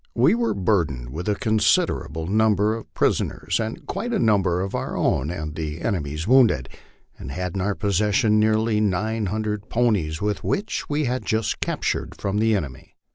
We were burdened with a considerable number of prisoners and quite a number of our own and the enemy's wounded, and had in our possession nearly nine hundred ponies which we had just captured from the enemy.